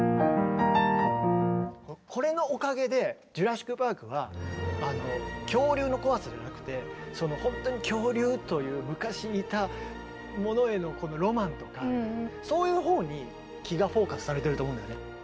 これのおかげで「ジュラシック・パーク」は恐竜の怖さじゃなくて本当に恐竜という昔いたものへのロマンとかそういうほうに気がフォーカスされてると思うんだよね。